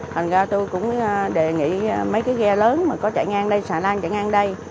thành ra tôi cũng đề nghị mấy cái ghe lớn mà có chạy ngang đây xà lan chạy ngang đây